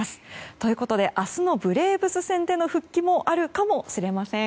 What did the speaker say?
ということで明日のブレーブス戦での復帰もあるかもしれません。